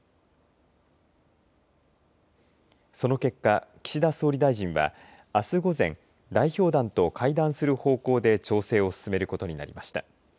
その結果、岸田総理大臣はあす午前、代表団と会談する方向で調整を進めることになりました。